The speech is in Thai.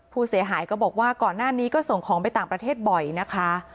ผู้เสียหายก็บอกว่าก่อนหน้านี้ก็ส่งของไปต่างประเทศบ่อยนะคะ